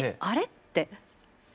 あれって。